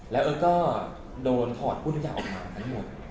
แล้วเอิ้นก็โดนถอดหุ้นยาออกมาทั้งหมด